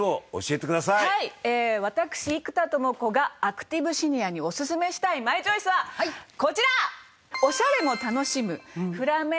私生田智子がアクティブシニアにおすすめしたいマイチョイスはこちら！